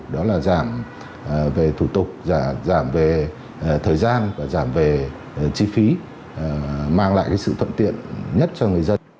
đó là giảm về thủ tục giảm về thời gian giảm về chi phí mang lại sự thuận tiện nhất cho người dân